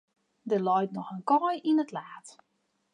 Der leit noch in kaai yn it laad.